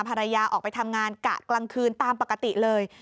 ภรรยาออกไปทำงานกะกลางคืนตามปกติเลย